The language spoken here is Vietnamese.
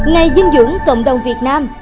ngày dinh dưỡng cộng đồng việt nam